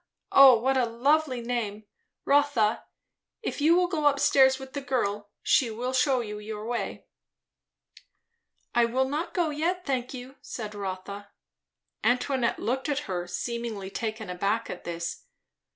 O what a lovely name! Rotha, if you will go up stairs with the girl, she will shew you your way." "I will not go yet, thank you," said Rotha. Antoinette looked at her, seemingly taken aback at this.